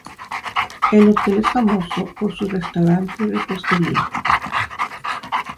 El hotel es famoso por su restaurante y repostería.